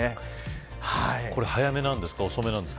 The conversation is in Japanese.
これは早めなんですか。